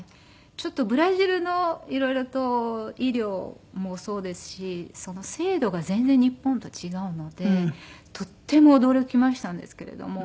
ちょっとブラジルの色々と医療もそうですし制度が全然日本と違うのでとっても驚きましたんですけれども。